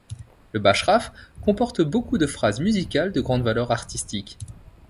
Le bashraf comporte beaucoup de phrases musicales de grande valeur artistique.